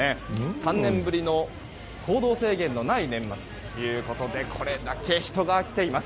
３年ぶりの行動制限のない年末ということでこれだけ、人が来ています。